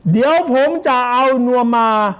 เดี๋ยวผมจะเอานวมมา